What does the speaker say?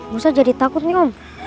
musa jadi takut nih om